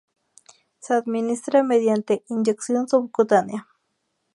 Se administra mediante inyección subcutánea.